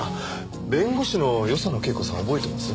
弁護士の与謝野慶子さん覚えてます？